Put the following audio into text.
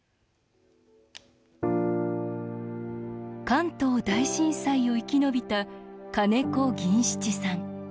関東大震災を生き延びた金子銀七さん。